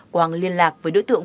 quang liên lạc với đối tượng